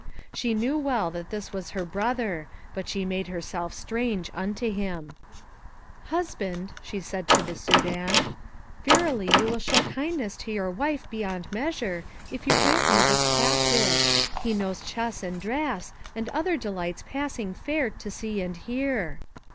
She knew well that this was her brother, but she made herself strange unto him. "Husband," said she to the Soudan, "verily you will shew kindness to your wife beyond measure if you grant me this captive. He knows chess and draughts and other delights passing fair to see and hear."